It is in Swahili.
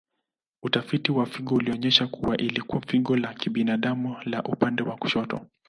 Utafiti wa figo ulionyesha kuwa ilikuwa figo la kibinadamu la upande wa kushoto.